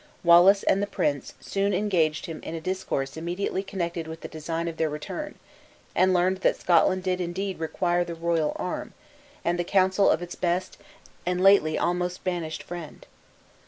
Wallace and the prince soon engaged him in a discourse immediately connected with the design of their return; and learned that Scotland did indeed require the royal arm, and the counsel of its best and lately almost banished friend.